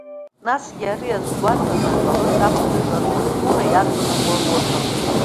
Насгьы, ара иазгәаҭазар ҟалоит аԥсуа жәлар ркультура иаҵанакуа руакы.